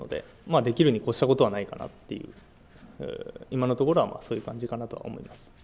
できるに越したことはないかなと、今のところは、そういう感じかなと思います。